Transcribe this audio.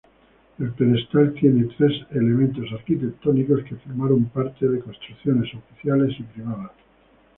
El pedestal tres tiene elementos arquitectónicos que formaron parte de construcciones oficiales y privadas.